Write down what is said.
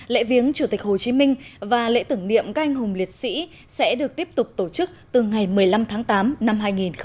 lễ viếng chủ tịch hồ chí minh và lễ tưởng niệm các anh hùng liệt sĩ sẽ được tiếp tục tổ chức từ ngày một mươi năm tháng tám năm hai nghìn một mươi chín